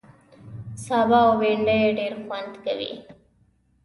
سابه او بېنډۍ ډېر خوند کوي